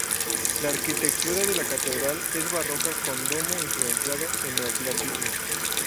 La arquitectura de la catedral es barroca con un domo influenciado en neoclasicismo.